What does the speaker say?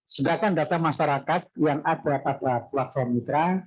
sedangkan data masyarakat yang ada pada platform mitra